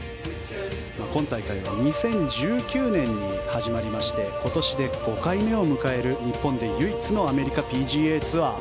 今大会は２０１９年に始まりまして今年で５回目を迎える日本で唯一のアメリカＰＧＡツアー。